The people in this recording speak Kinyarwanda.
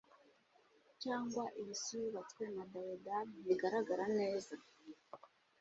Cyangwa iyi si yubatswe na daedal ntigaragara neza